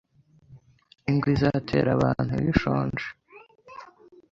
Ingwe izatera abantu iyo ishonje